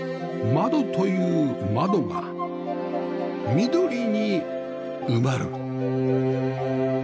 窓という窓が緑に埋まる